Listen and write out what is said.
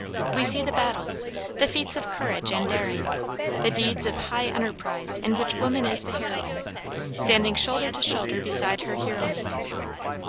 We see the battles, the feats of courage and daring, the deeds of high enterprise in which woman is the heroine, standing shoulder to shoulder beside her hero mate.